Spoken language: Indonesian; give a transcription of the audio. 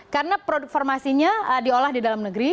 karena produk formasinya diolah di dalam negeri